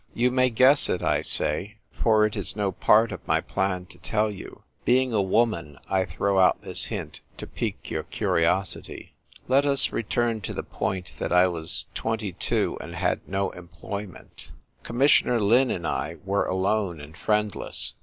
You may guess it, I say ; for it is no part ol my plan to tell you. Being a woman, I throw out this hint to pique your curiosity. Let us return to the point that I was twenty two, and had no employment. Com missioner Lin and I were alone and friend less.